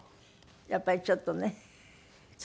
やっぱりちょっとね悲しい。